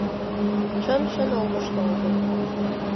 Чон чон олмышто огыл.